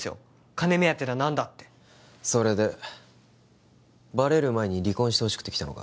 金目当てだなんだってそれでバレる前に離婚してほしくて来たのか？